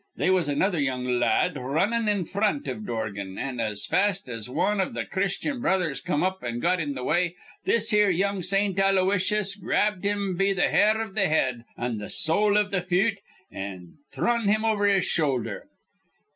They was another young la ad r runnin' in fr front iv Dorgan; an', as fast as wan iv th' Christyan Brothers come up an' got in th' way, this here young Saint Aloysius grabbed him be th' hair iv th' head an' th' sole iv th' fut, an' thrun him over his shoulder.